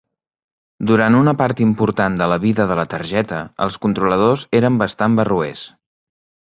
Durant una part important de la vida de la targeta, els controladors eren bastant barroers.